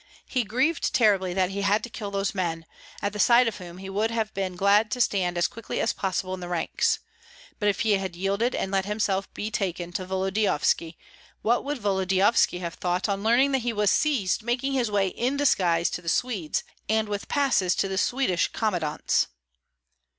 He grieved terribly that he had to kill those men, at the side of whom he would have been glad to stand as quickly as possible in the ranks. But if he had yielded and let himself be taken to Volodyovski, what would Volodyovski have thought on learning that he was seized making his way in disguise to the Swedes, and with passes to the Swedish commandants?